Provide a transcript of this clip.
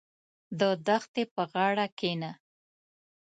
• د دښتې په غاړه کښېنه.